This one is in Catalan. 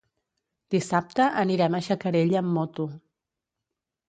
Dissabte anirem a Xacarella amb moto.